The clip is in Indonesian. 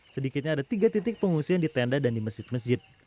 sedikitnya ada tiga titik pengungsian di tenda dan di masjid masjid